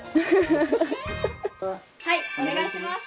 はいお願いします。